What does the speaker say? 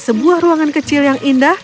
sebuah ruangan kecil yang indah